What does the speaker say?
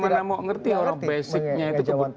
ya bagaimana mau ngerti orang basicnya itu